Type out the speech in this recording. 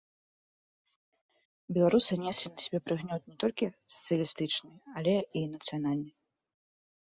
Беларусы неслі на сабе прыгнёт не толькі сацыяльны, але і нацыянальны.